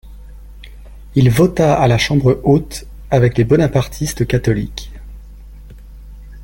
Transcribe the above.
Il vota à la chambre haute avec les bonapartistes catholiques.